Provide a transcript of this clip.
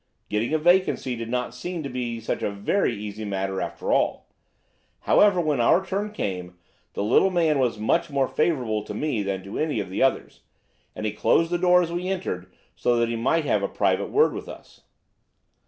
Getting a vacancy did not seem to be such a very easy matter, after all. However, when our turn came the little man was much more favourable to me than to any of the others, and he closed the door as we entered, so that he might have a private word with us.